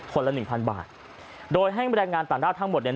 ละหนึ่งพันบาทโดยให้แรงงานต่างด้าวทั้งหมดเนี่ย